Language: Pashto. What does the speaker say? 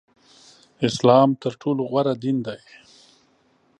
اسلام تر ټولو غوره دین دی